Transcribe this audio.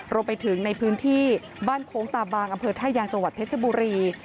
รวมไปถึงในพื้นที่บ้านโค้งตาบางอไทยยางจเพชรบุรี